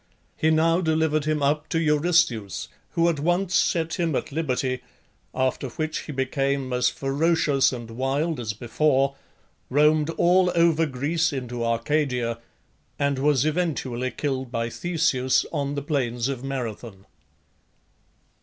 He now delivered him up to Eurystheus, who at once set him at liberty, after which he became as ferocious and wild as before, roamed all over Greece into Arcadia, and was eventually killed by Theseus on the plains of Marathon.